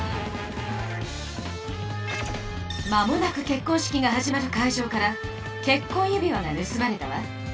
間もなく結婚式が始まる会場から結婚指輪が盗まれたわ。